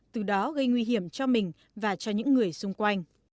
từ đó gây nguy hiểm cho mình và cho những người xung quanh